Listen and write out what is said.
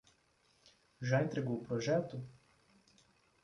Já entregou o projeto?